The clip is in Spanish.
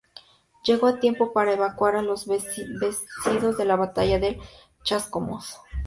Llegó a tiempo para evacuar a los vencidos de la batalla de Chascomús.